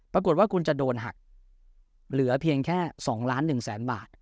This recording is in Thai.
ปรากฏว่าคุณจะโดนหักเหลือเพียงแค่๒ล้าน๑แสนบาท